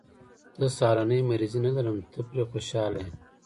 زه سهارنۍ مریضي نه لرم، ته پرې خوشحاله یې.